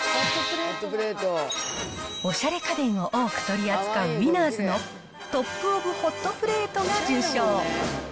おしゃれ家電を多く取り扱うウィナーズのトップオブホットプレートが受賞。